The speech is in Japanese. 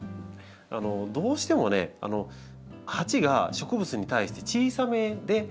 どうしてもね鉢が植物に対して小さめで流通することが多い。